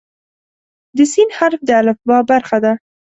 د "س" حرف د الفبا برخه ده.